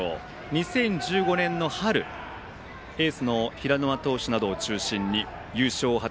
２０１５年の春エース投手を中心に優勝。